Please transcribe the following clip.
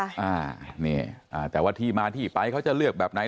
อ่านี่อ่าแต่ว่าที่มาที่ไปเขาจะเลือกแบบไหน